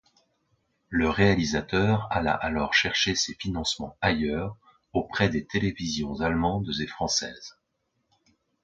Le réalisateur alla alors chercher ses financements ailleurs, auprès des télévisions allemandes et françaises.